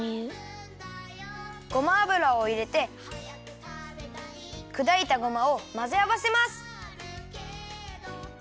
ごま油をいれてくだいたごまをまぜあわせます。